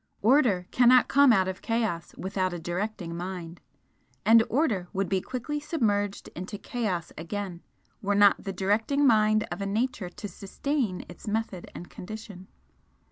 Order cannot come out of Chaos without a directing Mind; and Order would be quickly submerged into Chaos again were not the directing Mind of a nature to sustain its method and condition.